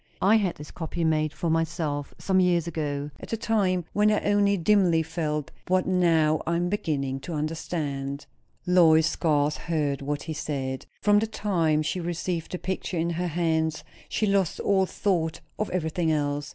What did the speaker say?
I had this copy made for myself some years ago at a time when I only dimly felt what now I am beginning to understand." Lois scarce heard what he said. From the time she received the picture in her hands she lost all thought of everything else.